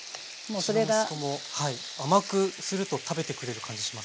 うちの息子も甘くすると食べてくれる感じします。